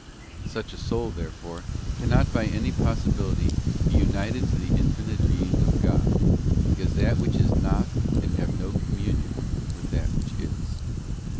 Such a soul, therefore, cannot by any possibility be united to the infinite Being of God, because that which is not can have no communion with that which is.